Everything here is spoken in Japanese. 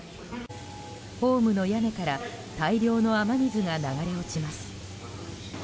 ホームの屋根から大量の雨水が流れ落ちます。